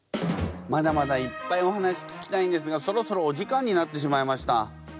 まだまだいっぱいお話聞きたいんですがそろそろお時間になってしまいました。